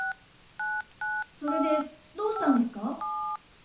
それでどうしたんですか？